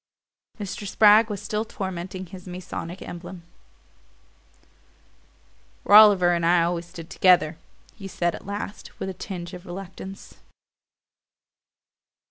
Mr. Spragg was still tormenting his Masonic emblem. "Rolliver and I always stood together," he said at last, with a tinge of reluctance.